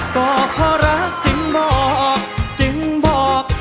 ก็เพราะรักจึงบอกจึงบอก